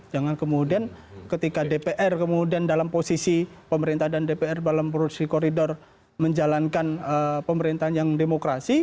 jangan kemudian ketika dpr kemudian dalam posisi pemerintah dan dpr dalam koridor menjalankan pemerintahan yang demokrasi